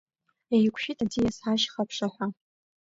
Еиқәшәит аӡиас, ашьха аԥшаҳәа.